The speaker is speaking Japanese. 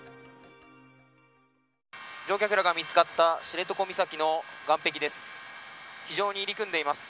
乗客らが見つかった知床岬の岸壁です。